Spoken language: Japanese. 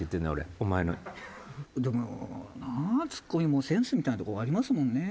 でもなツッコミもセンスみたいなとこありますもんね。